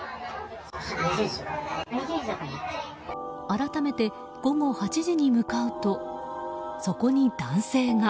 改めて午後８時に向かうとそこに男性が。